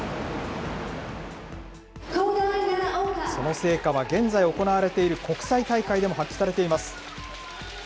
その成果は、現在行われている国際大会でも発揮されています。